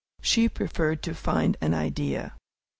She preferred to find an idea.